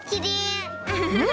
うん？